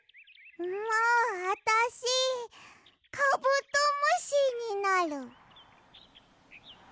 もうあたしカブトムシになる。